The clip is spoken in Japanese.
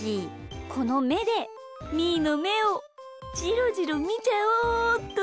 このめでみーのめをじろじろみちゃおうっと。